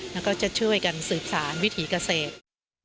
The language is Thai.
แล้วก็จะช่วยกันสืบสารวิถีเกษตร